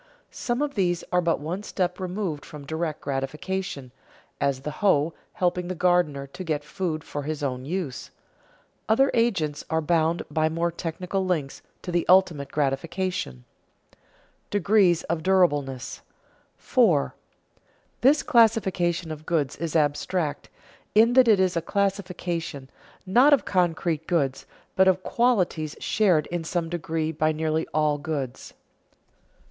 Some of these are but one step removed from direct gratification, as the hoe helping the gardener to get food for his own use. Other agents are bound by many technical links to the ultimate gratification. [Sidenote: Degrees of durableness] 4. _This classification of goods is abstract, in that it is a classification, not of concrete goods, but of qualities shared in some degree by nearly all goods.